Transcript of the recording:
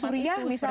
oh surya misalkan